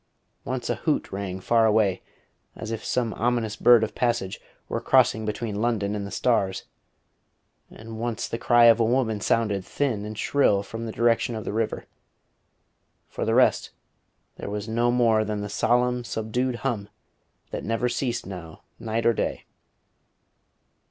Once a hoot rang far away, as if some ominous bird of passage were crossing between London and the stars, and once the cry of a woman sounded thin and shrill from the direction of the river. For the rest there was no more than the solemn, subdued hum that never ceased now night or day.